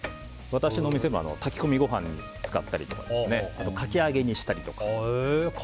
私の店でも炊き込みご飯に使ったりとかかき揚げにしたりとか。